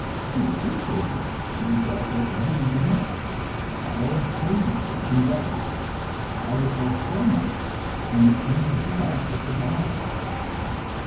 In acute cases the results are evident enough: violent pains and convulsions, followed by coma and the turning black of the body.